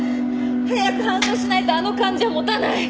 早く搬送しないとあの患者持たない！